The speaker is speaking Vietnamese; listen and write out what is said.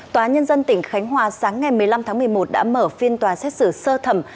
tòa nhân dân tỉnh khánh hòa sáng ngày một mươi năm tháng một mươi một đã mở phiên tòa xét xử sơ thẩm